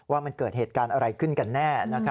ว่ามันเกิดเหตุการณ์อะไรขึ้นกันแน่